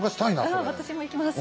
うん私も行きます。